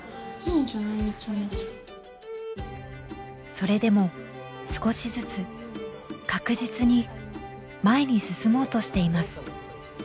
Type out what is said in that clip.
それでも少しずつ確実に前に進もうとしています。